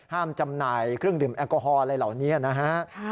จำหน่ายเครื่องดื่มแอลกอฮอล์อะไรเหล่านี้นะฮะ